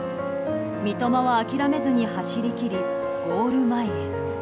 三笘は諦めずに走り切りゴール前へ。